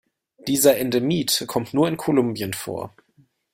Dieser Endemit kommt nur in Kolumbien vor.